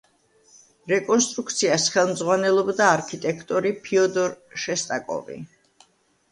რეკონსტრუქციას ხელმძღვანელობდა არქიტექტორი ფიოდორ შესტაკოვი.